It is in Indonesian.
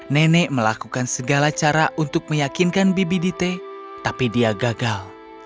nenek melakukan segala cara untuk meyakinkan bibi dite tapi dia gagal